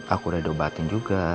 aku udah diobatin juga